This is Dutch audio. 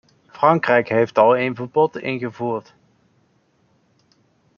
Frankrijk heeft al een verbod ingevoerd.